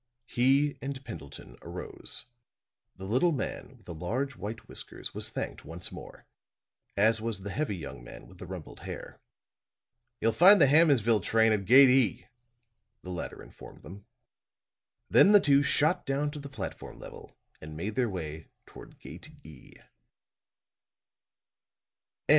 He and Pendleton arose; the little man with the large white whiskers was thanked once more, as was the heavy young man with the rumpled hair. "You'll find the Hammondsville train at Gate E," the latter informed them. Then the two shot down to the platform level and made their way toward Gate E.